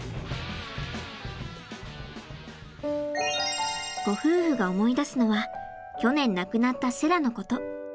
ご夫婦が思い出すのは去年亡くなったセラのこと。